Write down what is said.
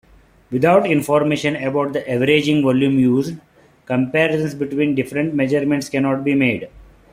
Without information about the averaging volume used, comparisons between different measurements cannot be made.